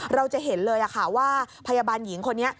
เราจะเห็นเลยค่ะว่าพยาบาลหญิงคนนี้